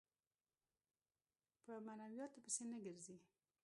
په معنوياتو پسې نه ګرځي.